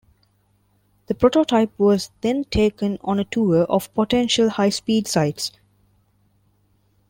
The prototype was then taken on a tour of potential high speed sites.